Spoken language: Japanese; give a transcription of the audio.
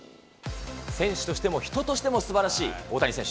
選手としても人としてもすばらしい大谷選手。